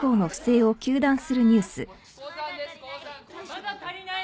まだ足りない！？